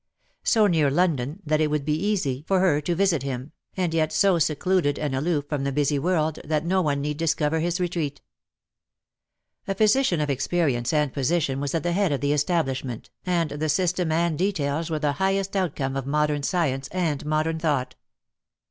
So near London that it would be easy gi DEAD LOVE HAS CHAINS. for her to visit him, and yet so secluded and aloof from the busy world that no one need discover his retreat. A physician of experience and position was at the head of the establishment, and the system and details were the highest outcome of modern science and modem thought.